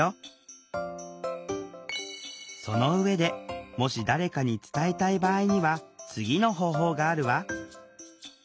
その上でもし誰かに伝えたい場合には次の方法があるわ。